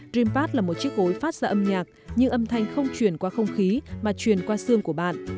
dreampad là một chiếc gối phát ra âm nhạc nhưng âm thanh không truyền qua không khí mà truyền qua xương của bạn